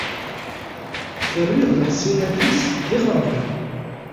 Terriḍ leḥṣinat-is d ixeṛban.